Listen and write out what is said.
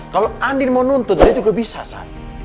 kalau andin mau nuntut dia juga bisa sa